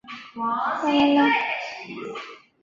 巴德菲辛格是德国巴伐利亚州的一个市镇。